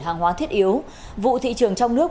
hàng hóa thiết yếu vụ thị trường trong nước